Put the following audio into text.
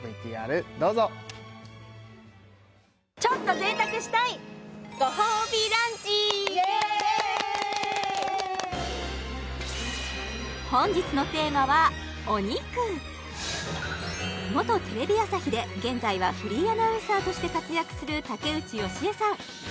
ＶＴＲどうぞイエイ本日のテーマはお肉元テレビ朝日で現在はフリーアナウンサーとして活躍する竹内由恵さん